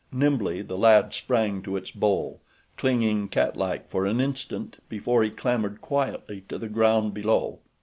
Nimbly the lad sprang to its bole, clinging cat like for an instant before he clambered quietly to the ground below.